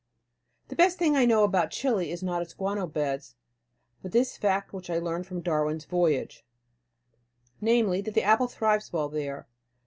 The best thing I know about Chili is not its guano beds, but this fact which I learn from Darwin's "Voyage," namely, that the apple thrives well there.